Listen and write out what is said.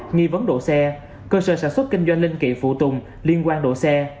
nghi vấn đổ xe cơ sở sản xuất kinh doanh linh kiện phụ tùng liên quan độ xe